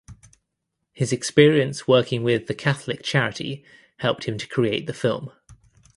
His experience working with the Catholic charity helped him to create the film.